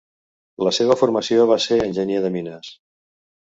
La seva formació va ser Enginyer de Mines.